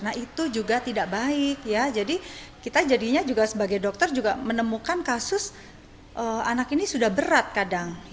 nah itu juga tidak baik ya jadi kita jadinya juga sebagai dokter juga menemukan kasus anak ini sudah berat kadang